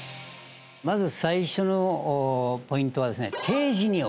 まず最初のポイントはですね